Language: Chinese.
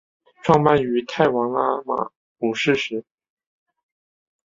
创办于泰王拉玛五世时。